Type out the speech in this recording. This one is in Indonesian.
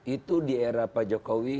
itu di era pak jokowi